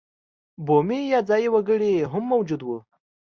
بومي یا ځايي وګړي هم موجود وو.